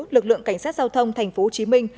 lực lượng cảnh sát giao thông thành phố hồ chí minh